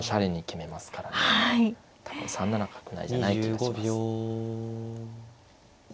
多分３七角成じゃない気がします。